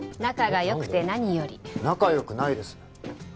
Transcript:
仲が良くて何より仲良くないです